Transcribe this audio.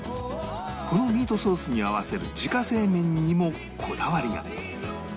このミートソースに合わせる自家製麺にもこだわりが